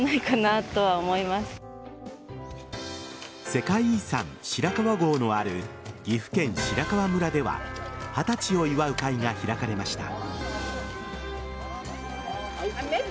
世界遺産・白川郷のある岐阜県白川村では二十歳を祝う会が開かれました。